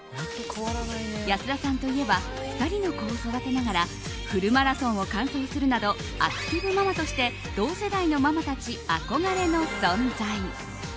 安田さんといえば２人の子を育てながらフルマラソンを完走するなどアクティブママとして同世代のママたち憧れの存在。